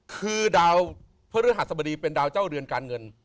คือดาวพระฤหัสบดีเป็นดาวเจ้าเรือนการเงิน